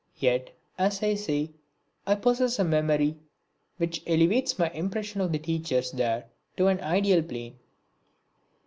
Yet, as I say, I possess a memory which elevates my impression of the teachers there to an ideal plane.